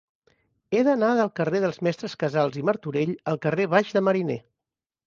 He d'anar del carrer dels Mestres Casals i Martorell al carrer Baix de Mariner.